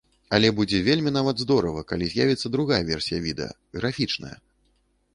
Але будзе вельмі нават здорава, калі з'явіцца і другая версія відэа, графічная!